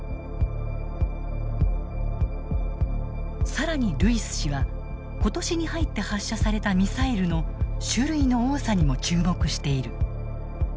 更にルイス氏は今年に入って発射されたミサイルの種類の多さにも注目している。